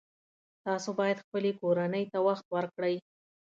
تاسو باید خپلې کورنۍ ته وخت ورکړئ